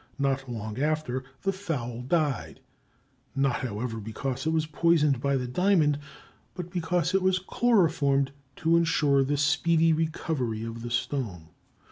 Not long after, the fowl died—not, however, because it was poisoned by the diamond, but because it was chloroformed to insure the speedy recovery of the stone.